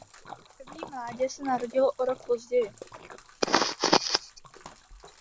První mládě se narodilo o rok později.